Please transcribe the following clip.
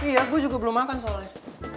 iya gue juga belum makan soalnya